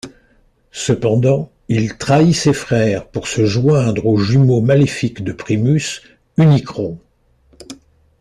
Cependant, il trahit ses frères pour se joindre au jumeau maléfique de Primus, Unicron.